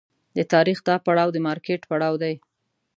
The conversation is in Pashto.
د تاریخ دا پړاو د مارکېټ پړاو دی.